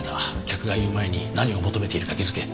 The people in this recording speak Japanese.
客が言う前に何を求めているか気づけ。